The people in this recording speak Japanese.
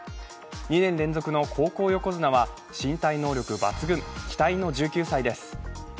２年連続の高校横綱は、身体能力抜群、期待の１９歳です。